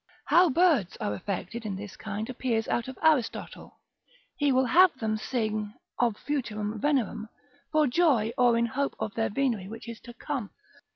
How birds are affected in this kind, appears out of Aristotle, he will have them to sing ob futuram venerem for joy or in hope of their venery which is to come.